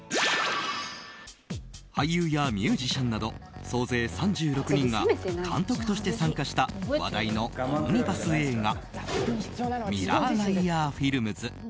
俳優やミュージシャンなど総勢３６人が監督として参加した話題のオムニバス映画「ＭＩＲＲＯＲＬＩＡＲＦＩＬＭＳ」。